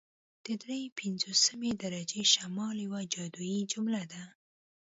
د دري پنځوسمې درجې شمال یوه جادويي جمله ده